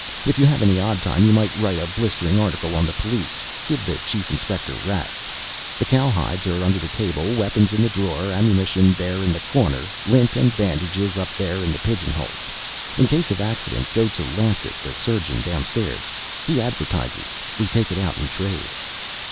If you have any odd time, you may write a blistering article on the police give the chief inspector rats. The cowhides are under the table; weapons in the drawer ammunition there in the corner lint and bandages up there in the pigeonholes. In case of accident, go to Lancet, the surgeon, downstairs. He advertises we take it out in trade."